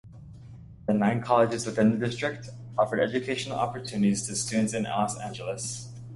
The nine colleges within the district offer educational opportunities to students in Los Angeles.